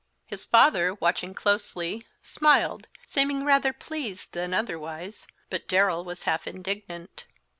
His father, watching closely, smiled, seeming rather pleased than otherwise, but Darrell was half indignant.